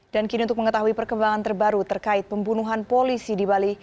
dan kini untuk mengetahui perkembangan terbaru terkait pembunuhan polisi